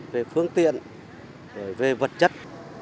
về phương tiện về vật chất